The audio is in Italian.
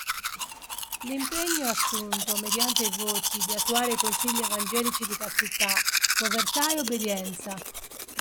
L'impegno, assunto mediante i voti, di attuare i consigli evangelici di castità, povertà e obbedienza.